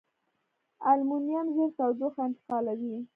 المونیم ژر تودوخه انتقالوي.